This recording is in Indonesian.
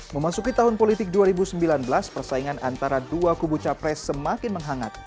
memasuki tahun politik dua ribu sembilan belas persaingan antara dua kubu capres semakin menghangat